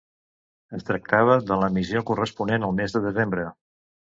Es tractava de l'emissió corresponent al mes de desembre.